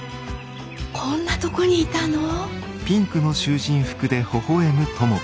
こんなとこにいたの？